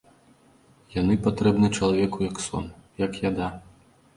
Яны патрэбны чалавеку як сон, як яда.